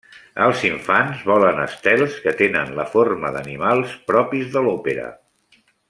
Els infants volen estels que tenen la forma d'animals propis de l'òpera.